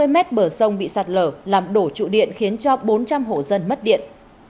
năm mươi mét bờ sông bị sạt lở làm đổ trụ điện khiến cho bốn trăm linh hộ dân mất điện